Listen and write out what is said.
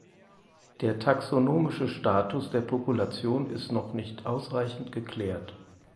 Der taxonomische Status der Population ist noch nicht ausreichend geklärt.